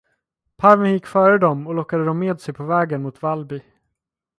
Parveln gick före dem och lockade dem med sig på vägen mot Vallby.